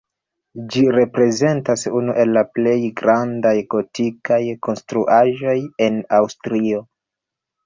Ĝi reprezentas unu el la plej grandaj gotikaj konstruaĵoj en Aŭstrio.